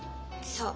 そう。